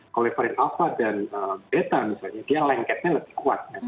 kalau varian alpha dan beta misalnya dia lengketnya lebih kuat